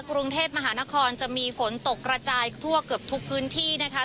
กรุงเทพมหานครจะมีฝนตกกระจายทั่วเกือบทุกพื้นที่นะคะ